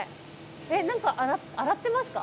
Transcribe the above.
何か洗ってますか？